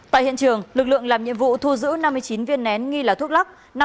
tại hiện trường lực lượng làm nhiệm vụ thu giữ năm mươi chín viên nén nghi là thuốc lắc